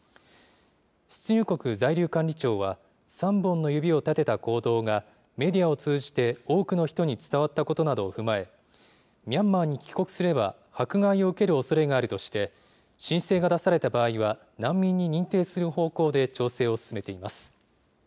出入国在留管理庁は、３本の指を立てた行動が、メディアを通じて多くの人に伝わったことなどを踏まえ、ミャンマーに帰国すれば、迫害を受けるおそれがあるとして、申請が出された場合は、難民に認定する方向で調整を進めています。